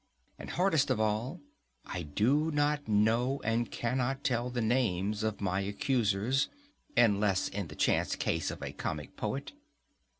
And hardest of all, I do not know and cannot tell the names of my accusers; unless in the chance case of a Comic poet.